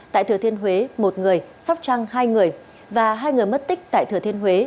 tại thừa thiên huế một người sóc trăng hai người và hai người mất tích tại thừa thiên huế